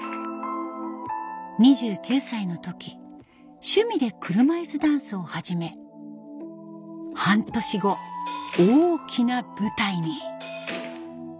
２９歳の時趣味で車椅子ダンスを始め半年後大きな舞台に。